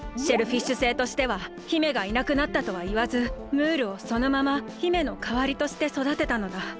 シェルフィッシュ星としては姫がいなくなったとはいわずムールをそのまま姫のかわりとしてそだてたのだ。